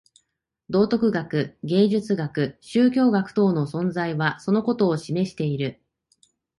道徳学、芸術学、宗教学等の存在はそのことを示している。